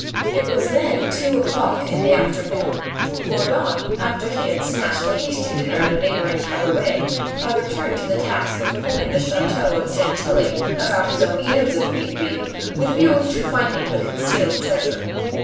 It was then two o'clock in the afternoon. Gourdon, after he had snatched a hasty dinner at a neighbouring cabaret, had returned to the task of pulling the chateau of Gentilly about his own ears if need be, with a view to finding the concealed treasure.